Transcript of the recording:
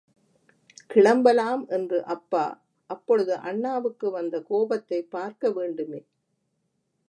கிளம்பலாம் என்று......... அப்பா... அப்பொழுது அண்ணாவுக்கு வந்த கோபத்தைப் பார்க்க வேண்டுமே!